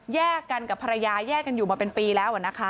แยกกันกับภรรยาแยกกันอยู่มาเป็นปีแล้วนะคะ